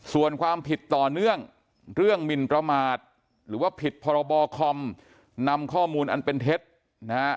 ส่วนความผิดต่อเนื่องเรื่องหมินประมาทหรือว่าผิดพรบคอมนำข้อมูลอันเป็นเท็จนะฮะ